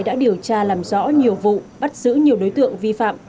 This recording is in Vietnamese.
đã điều tra làm rõ nhiều vụ bắt giữ nhiều đối tượng vi phạm